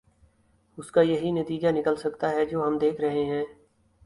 اس کا یہی نتیجہ نکل سکتا ہے جو ہم دیکھ رہے ہیں۔